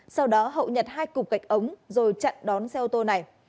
sau đó hậu nhặt hai cục gạch ống rồi chặn đón xe ô tô này